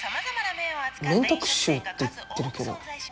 「麺特集」って言ってるけど。